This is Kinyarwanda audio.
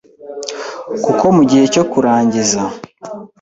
kuko mu gihe cyo kurangiza